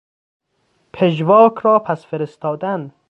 پژواک را پس فرستادن